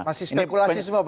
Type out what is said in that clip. masih spekulasi semua pak